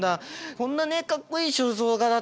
こんなねかっこいい肖像画だったらね